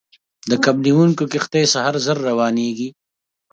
د ماهیګیري کښتۍ سهار زر روانېږي.